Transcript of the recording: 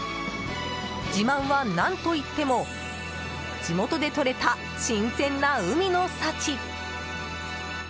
自慢は、何といっても地元でとれた新鮮な海の幸！